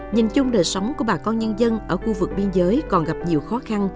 nhìn chung đời sống của bà con nhân dân ở khu vực biên giới còn gặp nhiều khó khăn